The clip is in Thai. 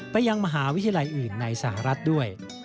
ยังมหาวิทยาลัยอื่นในสหรัฐด้วย